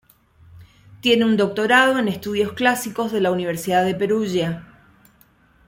Tiene un doctorado en estudios clásicos de la Universidad de Perugia.